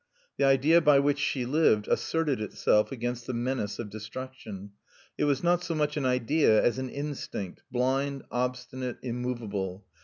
The idea by which she lived asserted itself against the menace of destruction. It was not so much an idea as an instinct, blind, obstinate, immovable.